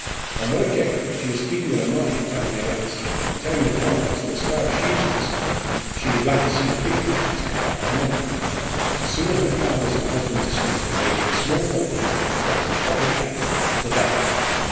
On one occasion she was speaking at a market town near us, and telling the farmers that as far as she was concerned she would like to see the big properties cut up to morrow. The sooner her father's and husband's estates were made into small holdings stocked with public capital the better.